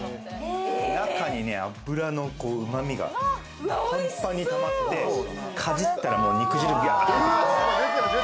中にね、脂の旨みがパンパンにたまって、かじったら、肉汁ビャって。